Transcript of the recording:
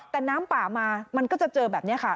แต่น้ำป่ามามันก็จะเจอแบบนี้ค่ะ